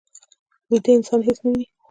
ویده انسان هېڅ نه ویني